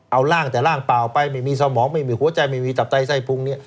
เอาร่างแต่ร่างเปล่าไปไม่มีสมองไม่มีหัวใจไม่มีตับไตไส้พุงเนี่ย